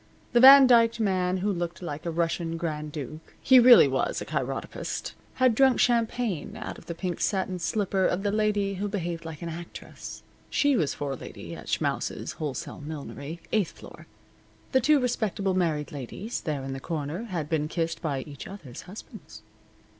The Van Dyked man who looked like a Russian Grand Duke (he really was a chiropodist) had drunk champagne out of the pink satin slipper of the lady who behaved like an actress (she was forelady at Schmaus' Wholesale Millinery, eighth floor). The two respectable married ladies there in the corner had been kissed by each other's husbands.